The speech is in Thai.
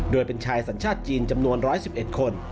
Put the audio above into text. โดยเป็นชายสัญชาติจีนจำนวน๑๑๑คน